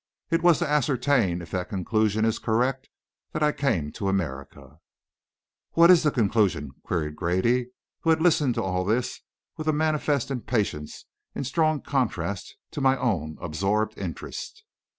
It was to ascertain if that conclusion is correct that I came to America." "What is the conclusion?" queried Grady, who had listened to all this with a manifest impatience in strong contrast to my own absorbed interest.